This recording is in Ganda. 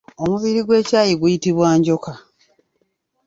Omubiri gw’ekyayi guyitibwa Njoka.